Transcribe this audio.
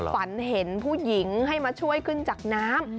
ฝันเห็นผู้หญิงให้มาช่วยขึ้นจากน้ำ